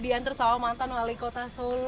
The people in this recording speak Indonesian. diantar sama mantan wali kota solo